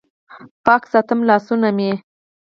پاک ساتم لاسونه مې